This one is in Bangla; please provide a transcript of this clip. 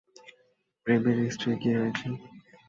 প্রেমের স্ত্রীর কী হয়েছে?